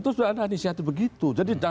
terus sudah ada anisiatif begitu